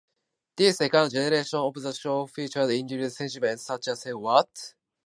This second generation of the show featured interactive segments such as Say What?